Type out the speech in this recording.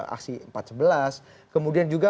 aksi empat sebelas kemudian juga